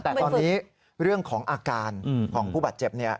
แต่ตอนนี้เรื่องของอาการของผู้บาดเจ็บ